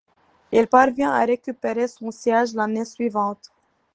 Il parvient à récupérer son siège l'année suivante.